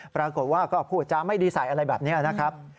ปรากฏว่าก็พูดจาไม่ดีใส่อะไรแบบนี้นะครับ